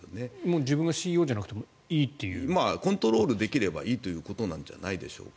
自分がＣＥＯじゃなくてもコントロールできればいいということなんじゃないでしょうか。